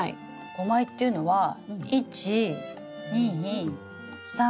５枚っていうのは１２３。